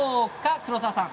黒沢さん。